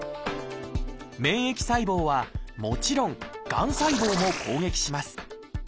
免疫細胞はもちろんがん細胞も攻撃します。